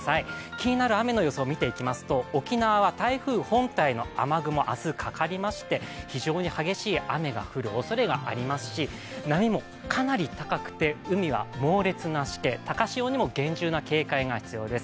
気になる雨の予想見ていきますと沖縄は台風本体の雨雲、明日かかりまして、非常に激しい雨が降るおそれがありますし波もかなり高くて、海は猛烈なしけ高潮にも厳重な警戒が必要です。